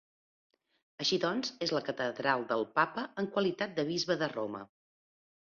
Així doncs, és la catedral del Papa en qualitat de bisbe de Roma.